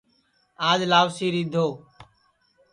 آج لاؤسی رِیدھو